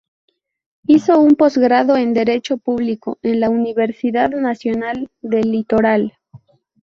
Hizo un Posgrado en Derecho Público en la Universidad Nacional del Litoral.